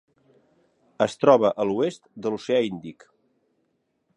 Es troba a l'oest de l'Oceà Índic.